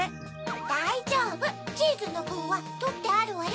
だいじょうぶチーズのぶんはとってあるわよ！